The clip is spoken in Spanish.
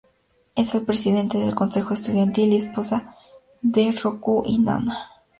Es el presidente del consejo estudiantil y esposa de Roku y Nana.